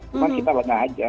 cuman kita lengah aja